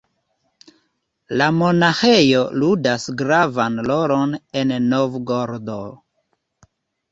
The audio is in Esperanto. La monaĥejo ludas gravan rolon en Novgorodo.